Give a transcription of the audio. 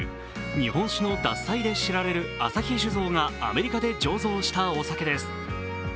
日本酒の獺祭で知られる旭酒造がアメリカで醸造したお酒です。